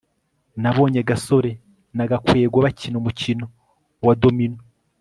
nabonye gasore na gakwego bakina umukino wa domino